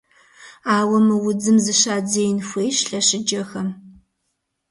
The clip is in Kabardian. Ауэ мы удзым зыщадзеин хуейщ лъэщыджэхэм.